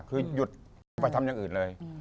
คือหยุดอย่าไปทำอย่างอื่นเลย